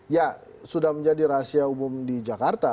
ya sudah menjadi rahasia umum di jakarta